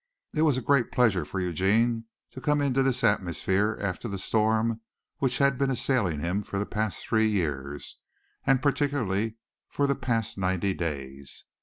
It was a great pleasure for Eugene to come into this atmosphere after the storm which had been assailing him for the past three years, and particularly for the past ninety days.